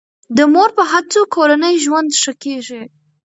د مور په هڅو کورنی ژوند ښه کیږي.